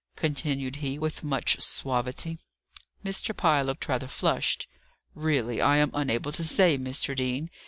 continued he, with much suavity. Mr. Pye looked rather flushed. "Really I am unable to say, Mr. Dean.